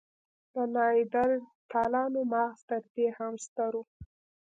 د نایندرتالانو مغز تر دې هم ستر و.